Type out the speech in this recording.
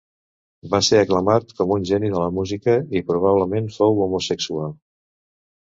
Va ser aclamat com un geni de la música, i probablement fou homosexual.